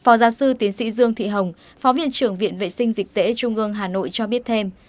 phó giáo sư tiến sĩ dương thị hồng phó viện trưởng viện vệ sinh dịch tễ trung ương hà nội cho biết thêm